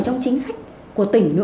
trong chính sách của tỉnh nữa